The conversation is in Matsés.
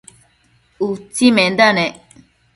utsimenda nec